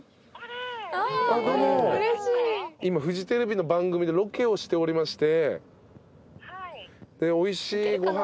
今フジテレビの番組でロケをしておりまして。